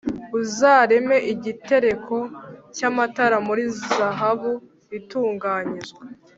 Uzareme igitereko cy amatara muri zahabu itunganyijwe